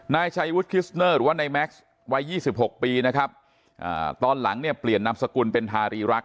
นายชายวุธคิสเนอร์หรือว่าในแมคคิสเนอร์วัย๒๖ปีนะครับตอนหลังเนี่ยเปลี่ยนนามสกุลเป็นธารีรักษ์